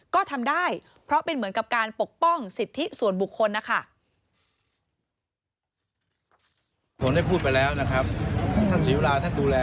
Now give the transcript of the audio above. ก็ทำได้เพราะเป็นเหมือนกับการปกป้องสิทธิส่วนบุคคลนะคะ